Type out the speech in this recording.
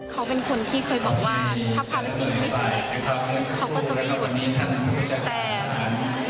เขาเป็นคนที่เคยบอกว่าถ้าภารกิจพิสุทธิ์เขาก็จะไม่หยุด